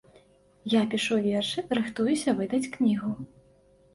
Я пішу вершы, рыхтуюся выдаць кнігу.